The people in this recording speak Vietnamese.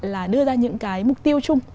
là đưa ra những cái mục tiêu chung